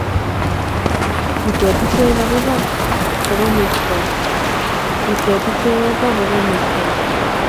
Kitet ichek akopo ole pakomengtos Kitet ichek akopo ole pakomengtos